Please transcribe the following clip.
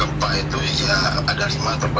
gempa itu ya ada lima terpenang kota pak